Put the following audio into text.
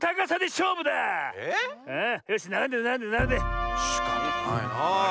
しかたないなあ。